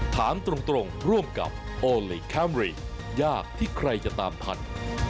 ถามตรงร่วมกับโอลี่คัมรี่ยากที่ใครจะตามทัน